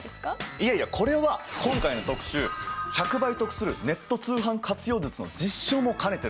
いやいやこれは今回の特集「１００倍得するネット通販活用術！」の実証も兼ねてるから。